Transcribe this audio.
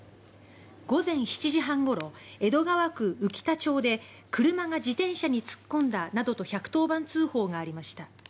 午前７時半ごろ江戸川区宇喜田町で車が自転車に突っ込んだなどと１１０番通報がありました。